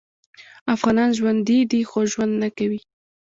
افغانان ژوندي دې خو ژوند نکوي